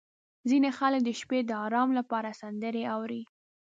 • ځینې خلک د شپې د ارام لپاره سندرې اوري.